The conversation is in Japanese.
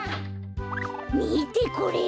みてこれ！